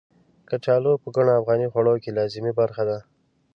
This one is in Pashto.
کچالو په ګڼو افغاني خوړو کې لازمي برخه ده.